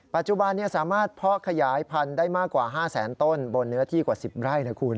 ปัจจุบันสามารถเพาะขยายพันธุ์ได้มากกว่า๕แสนต้นบนเนื้อที่กว่า๑๐ไร่นะคุณ